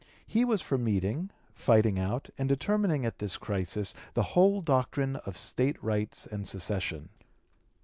He was for meeting, fighting out, and determining at this crisis the whole doctrine of state rights and secession.